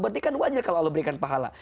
berarti kan wajar kalau allah berikan pahala